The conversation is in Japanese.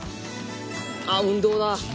あっ運動だ。